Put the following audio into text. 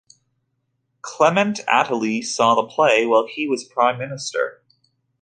Clement Attlee saw the play while he was Prime Minister.